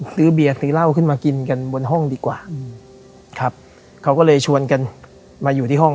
ซื้อเบียร์ซื้อเหล้าขึ้นมากินกันบนห้องดีกว่าครับเขาก็เลยชวนกันมาอยู่ที่ห้อง